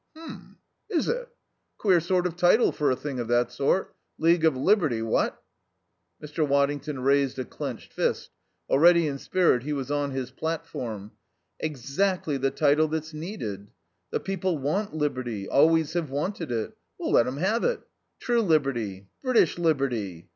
"H'm. Is it? Queer sort of title for a thing of that sort League of Liberty, what?" Mr. Waddington raised a clenched fist. Already in spirit he was on his platform. "Exactly the title that's needed. The people want liberty, always have wanted it. We'll let 'em have it. True liberty. British liberty.